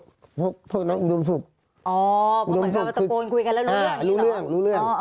อ๋อมันเหมือนกับอัตโกนคุยกันแล้วรู้อย่างงี้หรออ่ารู้เรื่องรู้เรื่อง